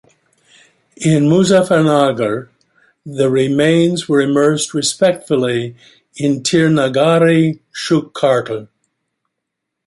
In Muzaffarnagar, the remains were immersed respectfuly in Teerthnagari Shukrtal.